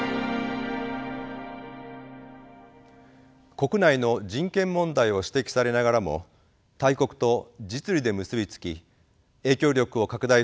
国内の人権問題を指摘されながらも大国と実利で結び付き影響力を拡大するインド。